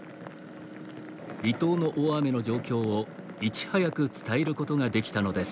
離島の大雨の状況をいち早く伝えることができたのです。